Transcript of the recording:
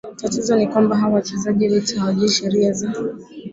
tatizo ni kwamba hawa wachezaji wetu hawajui sheria za